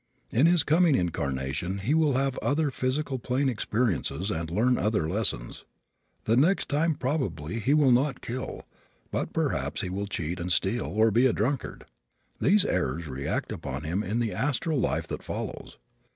In his coming incarnation he will have other physical plane experiences and learn other lessons. The next time probably he will not kill, but perhaps he will cheat and steal or be a drunkard. These errors will react upon him in the astral life that follows.